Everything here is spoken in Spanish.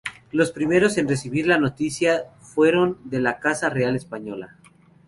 Los primeros en recibir la noticia fueron de la Casa Real española.